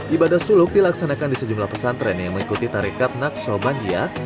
ibadah suluk dilaksanakan di sejumlah pesantren yang mengikuti tarikat naksobaniyah